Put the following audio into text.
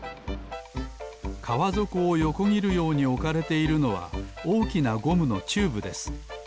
かわぞこをよこぎるようにおかれているのはおおきなゴムのチューブです。